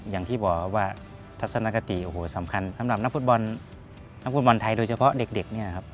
อย่างที่บอกว่าทัศนคติโอ้โหสำคัญสำหรับนักฟุตบอลนักฟุตบอลไทยโดยเฉพาะเด็กเนี่ยครับ